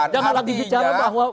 jangan lagi bicara bahwa